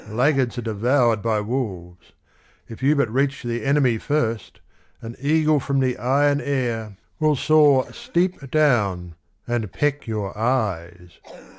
.... Laggards are devoured b}^ wolves : if you but reach the enemy first an eagle from the iron air will soar steep down, and peck your eyes.